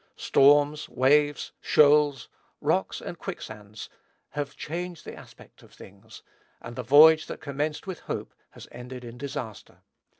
storms, waves, shoals, rocks, and quicksands, have changed the aspect of things; and the voyage that commenced with hope has ended in disaster.